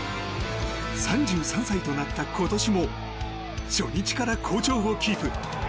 ３３歳となった今年も初日から好調をキープ。